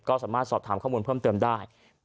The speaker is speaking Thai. ก็สามารถสอบถามข้อมูลเพิ่มเติมได้